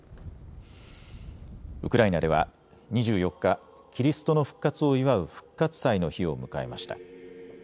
ウクライナでは２４日、キリストの復活を祝う復活祭の日を迎えました。